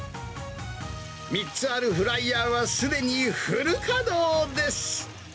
３つあるフライヤーはすでにフル稼働です。